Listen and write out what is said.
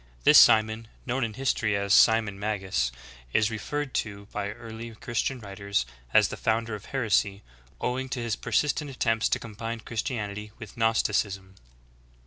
* This Simon, known in history as Simon Magus, is referred to by early Christian writers as the founder of heresy, owing to his persistent attempts to combine Christianity with Gnosticism.